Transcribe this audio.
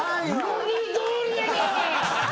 読みどおりやで！